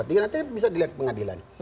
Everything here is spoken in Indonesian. nanti bisa dilihat pengadilan